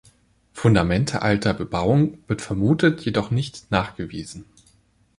Fundamente alter Bebauung wird vermutet jedoch nicht nachgewiesen.